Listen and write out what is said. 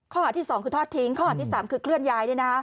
ข้อหาที่สองคือทอดทิ้งข้อหาที่สามคือเคลื่อนย้ายนะฮะ